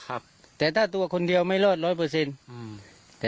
ครับแต่ถ้าตัวคนเดียวไม่รอดร้อยเปอร์เซ็นต์อืมแต่